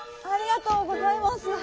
ありがとうございます。